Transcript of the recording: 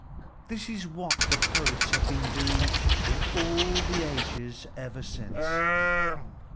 This is what the poets have been doing in all the ages ever since.